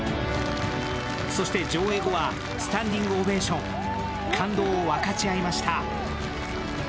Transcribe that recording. そして上映後は、スタンディングオベーション、感動を分かち合いました。